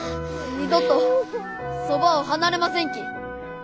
二度とそばを離れませんき。